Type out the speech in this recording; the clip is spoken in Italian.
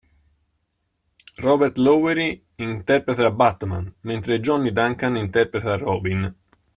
Robert Lowery interpreta Batman, mentre Johnny Duncan interpreta Robin.